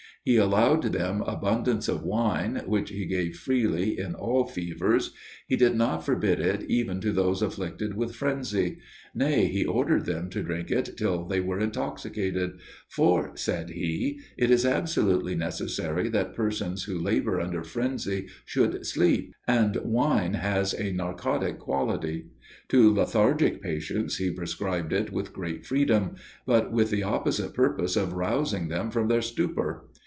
He allowed them abundance of wine, which he gave freely in all fevers; he did not forbid it even to those afflicted with phrenzy: nay, he ordered them to drink it till they were intoxicated; for, said he, it is absolutely necessary that persons who labor under phrenzy should sleep, and wine has a narcotic quality. To lethargic patients, he prescribed it with great freedom, but with the opposite purpose of rousing them from their stupor.